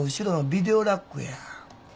ビデオラック？